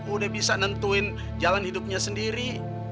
udah bisa nentuin jalan hidupnya sendiri